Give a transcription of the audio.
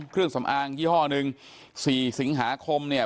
เครื่องสำอางยี่ห้อหนึ่งสี่สิงหาคมเนี่ย